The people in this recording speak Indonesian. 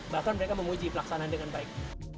bahkan mereka menguji pelaksanaan dengan baik